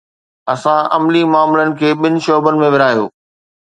اسان عملي معاملن کي ٻن شعبن ۾ ورهايو.